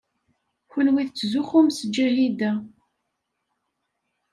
Kenwi tettzuxxum s Ǧahida.